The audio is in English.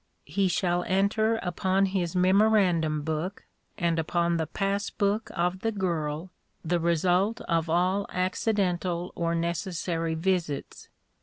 He shall enter upon his memorandum book, and upon the pass book of the girl, the result of all accidental or necessary visits.